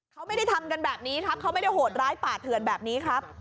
เขาไม่ได้ทำกันแบบนี้ครับเขาไม่ได้โหดร้ายป่าเถื่อนแบบนี้ครับ